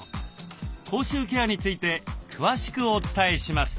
口臭ケアについて詳しくお伝えします。